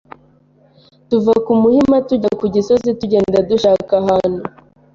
tuva ku Muhima tujya ku Gisozi tugenda dushaka ahantu